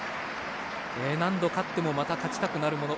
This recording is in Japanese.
何度、勝ってもまた勝ちたくなるもの。